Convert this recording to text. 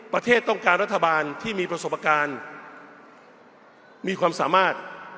ประเทศต้องการรัฐบาลที่มีประสบการณ์มีความสามารถ